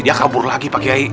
dia kabur lagi pak kiai